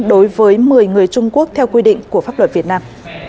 đối với một mươi người trung quốc theo quy định của pháp luật việt nam